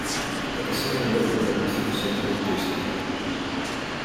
The Kesang River runs through the center of Jasin Town.